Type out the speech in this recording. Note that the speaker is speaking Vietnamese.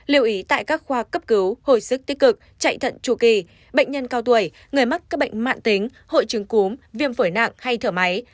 lưu ý tại các khoa cấp cứu hồi sức tích cực chạy thận trù kỳ bệnh nhân cao tuổi người mắc các bệnh mạng tính hội chứng cúm viêm phổi nặng hay thở máy